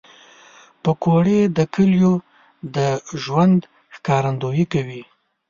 پکورې د کلیو د ژوند ښکارندویي کوي